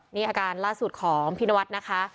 นี่อาการล่าสุดของพี่นวัดนะคะ